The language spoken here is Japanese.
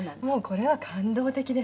「これは感動的ですね